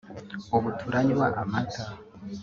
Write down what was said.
ubu turanywa amata